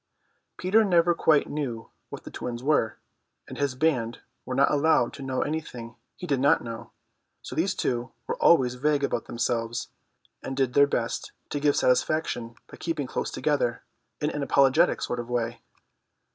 Peter never quite knew what twins were, and his band were not allowed to know anything he did not know, so these two were always vague about themselves, and did their best to give satisfaction by keeping close together in an apologetic sort of way.